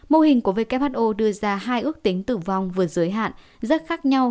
mô hình của who đưa ra hai ước tính tử vong vượt giới hạn rất khác nhau